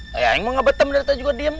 ya yang mau ngebetem ternyata juga diem